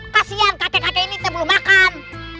kasian kakek kakek ini belum makan